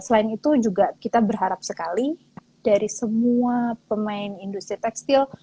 selain itu juga kita berharap sekali dari semua pemain industri tekstil